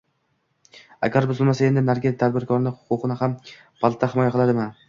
Agar buzilmasa endi narigi tadbirkorni xuquqini ham Palata himoya qiladimi?